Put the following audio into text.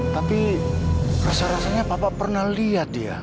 tapi rasa rasanya papa pernah lihat dia